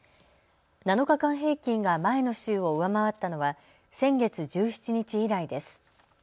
７日間平均が前の週を上回ったのは先月１７日以来です。